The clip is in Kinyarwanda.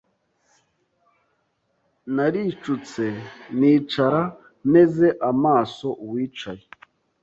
Naricutse nicara Nteze amaso uwicaye